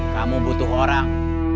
kamu butuh orang